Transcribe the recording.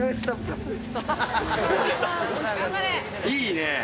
いいね！